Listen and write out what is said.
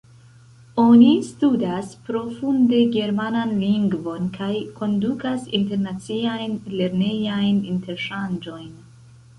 Oni studas profunde germanan lingvon kaj kondukas internaciajn lernejajn interŝanĝojn.